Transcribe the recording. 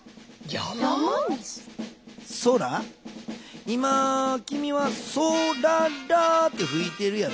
そら今きみは「ソララ」ってふいてるやろ。